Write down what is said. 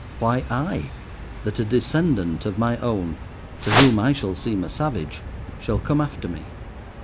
Why I, that a descendant of my own, to whom I shall seem a savage, shall come after me?